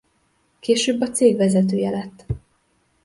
Később a cég vezetője lett.